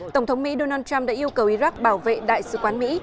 tổng thống mỹ donald trump đã yêu cầu iraq bảo vệ đại sứ quán mỹ